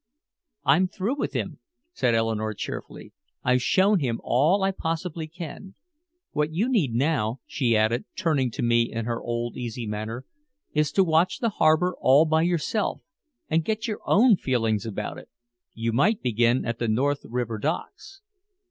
"I'm through with him," said Eleanore cheerfully. "I've shown him all I possibly can. What you need now," she added, turning to me in her old easy manner, "is to watch the harbor all by yourself and get your own feelings about it. You might begin at the North River docks."